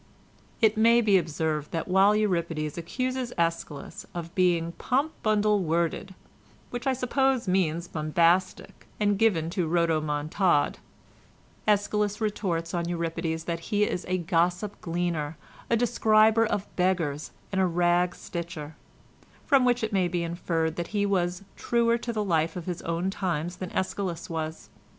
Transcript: "It may be observed that while Euripides accuses Æschylus of being 'pomp bundle worded,' which I suppose means bombastic and given to rodomontade, Æschylus retorts on Euripides that he is a 'gossip gleaner, a describer of beggars, and a rag stitcher,' from which it may be inferred that he was truer to the life of his own times than Æschylus was.